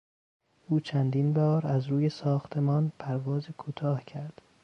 او چندین بار از روی ساختمان پرواز کوتاه کرد